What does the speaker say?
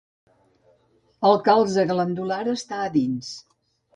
El calze glandular està a dins.